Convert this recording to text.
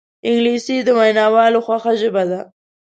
انګلیسي د ویناوالو خوښه ژبه ده